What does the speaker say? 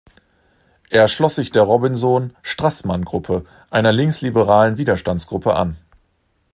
Er schloss sich der Robinsohn-Strassmann-Gruppe, einer linksliberalen Widerstandsgruppe, an.